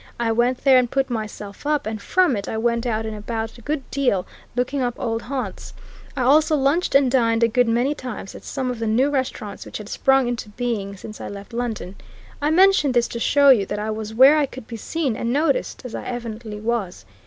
I went there and put myself up, and from it I went out and about a good deal, looking up old haunts. I also lunched and dined a good many times at some of the new restaurants which had sprung into being since I left London. I mention this to show you that I was where I could be seen and noticed, as I evidently was.